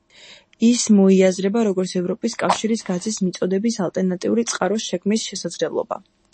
ის მოიაზრება, როგორც ევროპის კავშირის გაზის მიწოდების ალტერნატიული წყაროს შექმნის შესაძლებლობა.